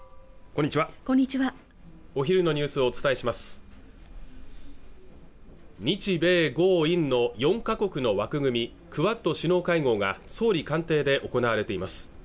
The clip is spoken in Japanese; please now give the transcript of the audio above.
こんにちはお昼のニュースをお伝えします日米豪印の４カ国の枠組みクアッド首脳会合が総理官邸で行われています